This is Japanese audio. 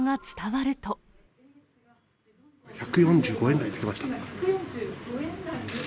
１４５円台つけました。